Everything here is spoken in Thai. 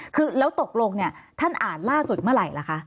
คือแล้วตกลงเนี่ยท่านอ่านล่าสุดเมื่อไหร่ล่ะคะ